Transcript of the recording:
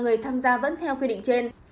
người tham gia vẫn theo quy định trên